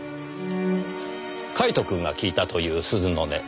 カイトくんが聞いたという鈴の音。